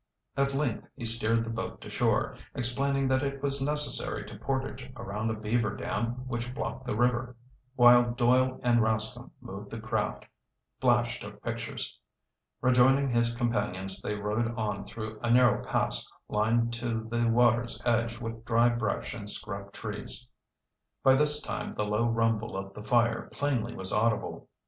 At length he steered the boat to shore, explaining that it was necessary to portage around a beaver dam which blocked the river. While Doyle and Rascomb moved the craft, Flash took pictures. Rejoining his companions, they rowed on through a narrow pass lined to the water's edge with dry brush and scrub trees. By this time the low rumble of the fire plainly was audible.